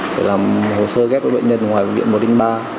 để làm hồ sơ ghét với bệnh nhân ngoài bệnh viện một ba